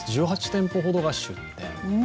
１８店舗ほどが出店。